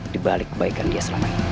di balik kebaikan dia selama ini